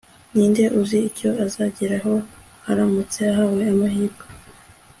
ninde uzi icyo azageraho aramutse ahawe amahirwe